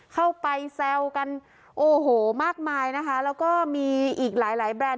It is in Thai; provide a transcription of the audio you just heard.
เข้าไปแซวกันโอ้โหมากมายนะคะแล้วก็มีอีกหลายหลายแบรนด